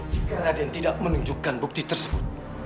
jika raden tidak menunjukkan bukti tersebut